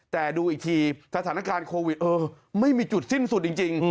แต่ดูอีกทีสถานการณ์โควิดไม่มีจุดสิ้นสุดจริง